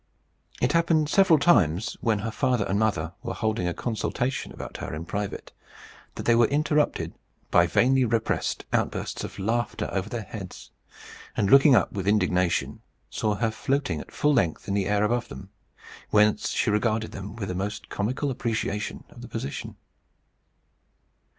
It happened several times, when her father and mother were holding a consultation about her in private, that they were interrupted by vainly repressed outbursts of laughter over their heads; and looking up with indignation, saw her floating at full length in the air above them, whence she regarded them with the most comical appreciation of the position.